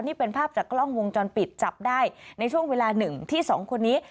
นี่เป็นภาพจากกล้องวงจรปิดจับได้ในช่วงเวลาหนึ่งที่สองคนนี้